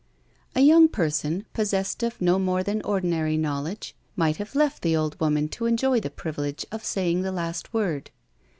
A young person, possessed of no more than ordinary knowledge, might have left the old woman to enjoy the privilege of saying the last word.